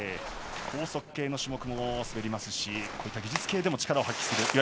高速系の種目も滑りますしこの技術系でも力を発揮する。